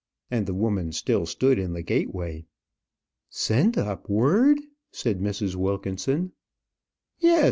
And the woman still stood in the gateway. "Send up word!" said Mrs. Wilkinson. "Yees.